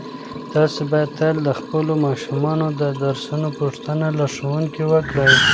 تاسو باید تل د خپلو ماشومانو د درسونو پوښتنه له ښوونکو وکړئ.